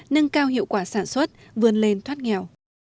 nâng cao hiệu quả sản xuất vươn lên thoát nghèo